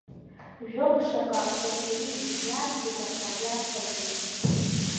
Жәохә шаҟа ужәри, иарҭеит, аха иарҭаӡеит.